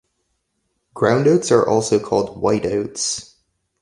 Ground oats are also called "white oats".